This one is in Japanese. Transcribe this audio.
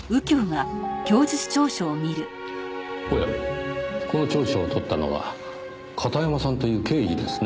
おやこの調書をとったのは片山さんという刑事ですねぇ。